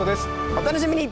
お楽しみに！